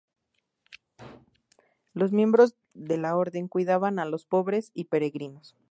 Los miembros de la orden cuidaban a los pobres y peregrinos.